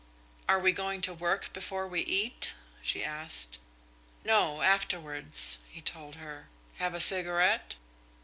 "Are we going to work before we eat?" she asked. "No, afterwards," he told her. "Have a cigarette?"